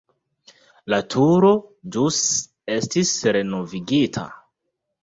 La turo ĵus estis renovigita.